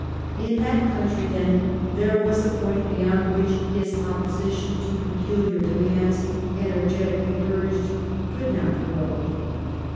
In that country, then, there was a point beyond which his opposition to peculiar demands, energetically urged, could not go.